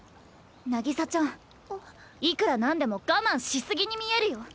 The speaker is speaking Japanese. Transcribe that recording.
渚ちゃんいくらなんでも我慢し過ぎに見えるよ。